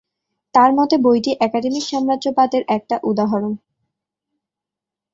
তার মতে বইটি একাডেমিক সাম্রাজ্যবাদের একটা উদাহরণ।